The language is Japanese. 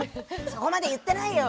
そこまで言ってないよ！